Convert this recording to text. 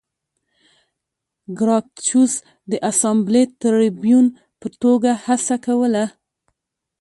ګراکچوس د اسامبلې د ټربیون په توګه هڅه کوله